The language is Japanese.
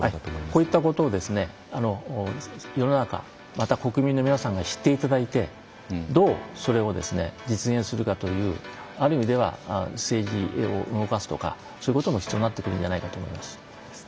こういったことを世の中また国民の皆さんが知っていただいてどうそれを実現するかというある意味では政治を動かすとかそういうことも必要になってくると思います。